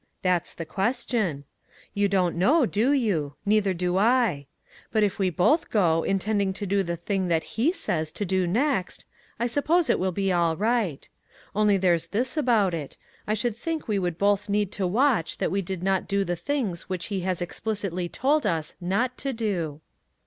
That's the question. You don't know, do you ? Neither do I. But if we both go, in tending to do the thing that He says do next, I suppose it will all be right. Only there's this about it, I should think we would both need to watch that we did not do the things which He has explicitly told us not to do."